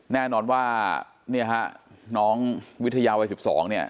แน่นอนว่าน้องวิทยาวัย๑๒